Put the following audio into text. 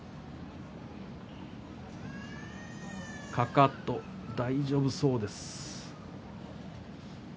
かかと、大丈夫そうですか？